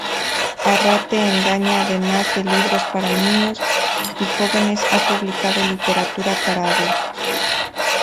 Arrate Egaña, además de libros para niños y jóvenes, ha publicado literatura para adultos.